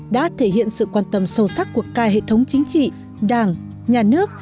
đã thể hiện sự quan tâm sâu sắc của cai hệ thống chính trị đảng nhà nước